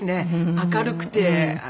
明るくて。